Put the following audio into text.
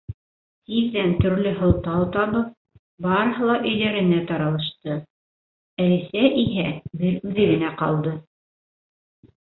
Тиҙҙән төрлө һылтау табып, барыһы ла өйҙәренә таралышты, Әлисә иһә бер үҙе генә ҡалды.